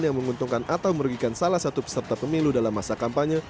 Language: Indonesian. yang menguntungkan atau merugikan salah satu peserta pemilu dalam masa kampanye